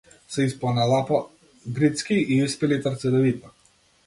Се испоналапа грицки и испи литар цедевита.